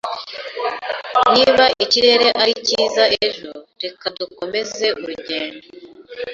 Niba ikirere ari cyiza ejo, reka dukomeze urugendo.